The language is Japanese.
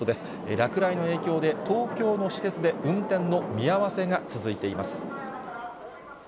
落雷の影響で、東京の私鉄で運転の見合わせが続いています。